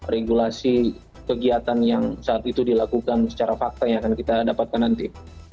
regulasi kegiatan yang saat itu dilakukan secara fakta yang akan kita dapatkan nanti